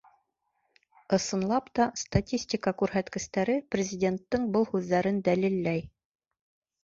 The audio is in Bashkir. Ысынлап та, статистика күрһәткестәре Президенттың был һүҙҙәрен дәлилләй.